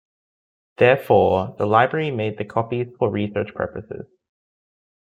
Therefore, the library made the copies for research purposes.